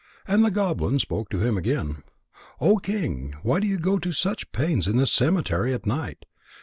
And the goblin spoke to him again: "O King, why do you go to such pains in this cemetery at night?